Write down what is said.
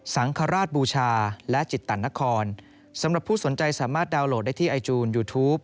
สังฆราชบูชาและจิตตันนครสำหรับผู้สนใจสามารถดาวนโหลดได้ที่ไอจูนยูทูป